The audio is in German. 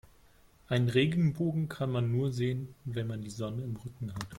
Einen Regenbogen kann man nur sehen, wenn man die Sonne im Rücken hat.